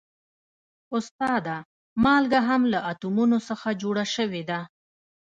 استاده مالګه هم له اتومونو څخه جوړه شوې ده